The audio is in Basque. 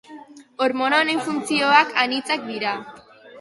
Hormona honen funtzioak anitzak dira.